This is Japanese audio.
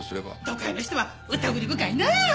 都会の人はうたぐり深いなあ！